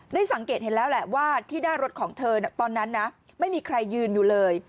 ได้สังเกตเห็นแล้วแหละว่าที่หน้ารถของเธอตอนนั้นนะไม่มีใครยืนอยู่เลย